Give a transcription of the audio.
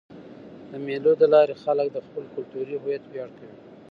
د مېلو له لاري خلک د خپل کلتوري هویت ویاړ کوي.